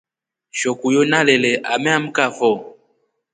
Shokuya nalele ameamkafo.